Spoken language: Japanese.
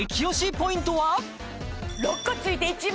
ポイントは？